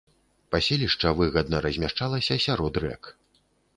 Паселішча выгадна размяшчалася сярод рэк.